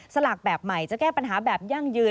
สลากแบบใหม่จะแก้ปัญหาแบบยั่งยืน